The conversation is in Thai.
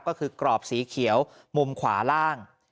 ก็คือกรอบสีเขียวมุมขวาล่าง